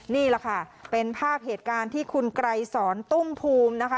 นี่แหละค่ะเป็นภาพเหตุการณ์ที่คุณไกรสอนตุ้มภูมินะคะ